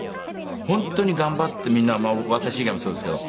本当に頑張ってみんな私以外もそうですけど。